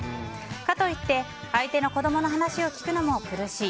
かといって相手の子供の話を聞くのも苦しい。